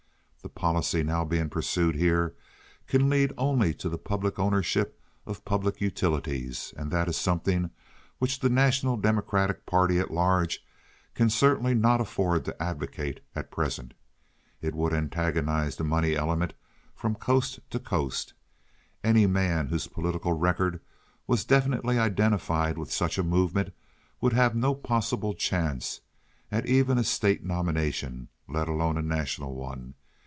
The policy now being pursued here can lead only to the public ownership of public utilities, and that is something which the national Democratic party at large can certainly not afford to advocate at present. It would antagonize the money element from coast to coast. Any man whose political record was definitely identified with such a movement would have no possible chance at even a state nomination, let alone a national one.